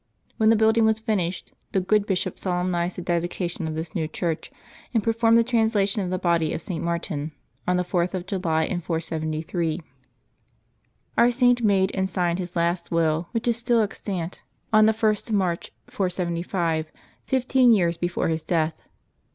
When the building was finished, the good bishop solem nized the dedication of this new church, and performed the translation of the body of St. Martin, on the 4th of July in 473. Our Saint made and signed his last will, which is still extant, on the 1st of March, 475, fifteen years before his death.